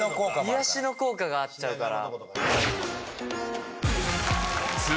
癒やしの効果があっちゃうから。